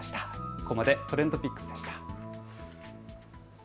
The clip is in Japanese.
ここまでＴｒｅｎｄＰｉｃｋｓでした。